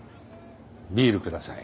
ビールください。